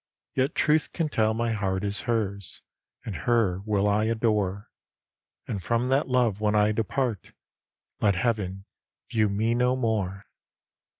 Yet truth can tell my heart is hers, And her will I adore; And from that love when I depart, Let heav'n view me no more!